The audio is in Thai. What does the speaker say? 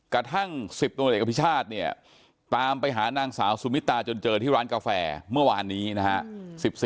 กระทั่ง๑๐ตำรวจเอกอภิชาติเนี่ยตามไปหานางสาวสุมิตาจนเจอที่ร้านกาแฟเมื่อวานนี้นะฮะ